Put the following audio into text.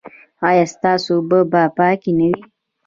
ایا ستاسو اوبه به پاکې نه وي؟